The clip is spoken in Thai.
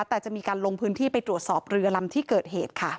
แต่จะมีการลงพื้นที่ไปตรวจสอบเรือลำที่เกิดเหตุค่ะ